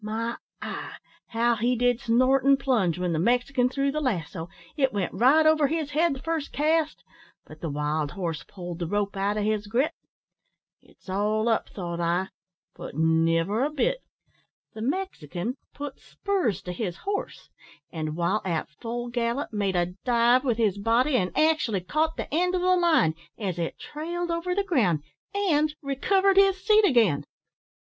My eye! how he did snort and plunge, when the Mexican threw the lasso, it went right over his head the first cast, but the wild horse pulled the rope out o' his grip. `It's all up,' thought I; but never a bit. The Mexican put spurs to his horse, an' while at full gallop, made a dive with his body, and actually caught the end o' the line, as it trailed over the ground, and recovered his seat again.